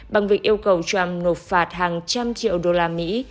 bằng việc yêu cầu trump nộp phạt hàng trăm triệu đô la mỹ